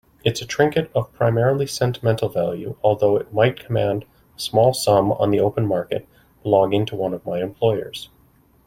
It's a trinket of primarily sentimental value, although it might command a small sum on the open market, belonging to one of my employers.